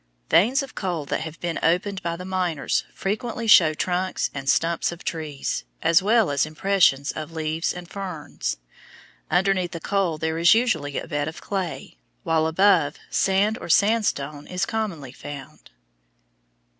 Veins of coal that have been opened by the miners frequently show trunks and stumps of trees, as well as impressions of leaves and ferns. Underneath the coal there is usually a bed of clay, while above sand or sandstone is commonly found.